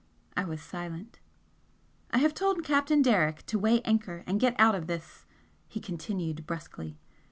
I was silent. "I have told Captain Derrick to weigh anchor and get out of this," he continued, brusquely.